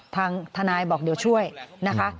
ทางทนายบอกเดี๋ยวช่วยนะคะ